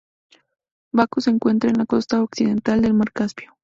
Bakú se encuentra en la costa occidental del mar Caspio.